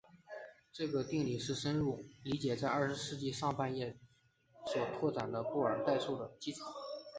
这个定理是深入理解在二十世纪上半叶所拓展的布尔代数的基础。